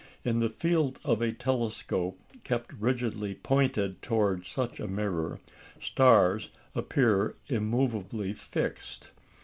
In the field of a telescope kept rigidly pointed towards such a mirror, stars appear immovably fixed.